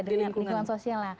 di lingkungan sosial